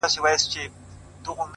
o شېرینو نور له لسټوڼي نه مار باسه ـ